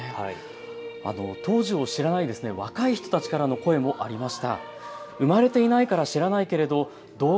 当時を知らない若い人たちからの声もありました。